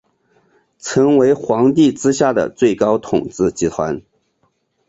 成为皇帝之下的最高统治集团。